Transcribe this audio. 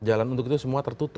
jalan untuk itu semua tertutup